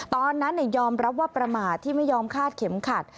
ตอนนั้นยอมรับว่าประมาทที่ไม่ยอมคาดเข็มขัด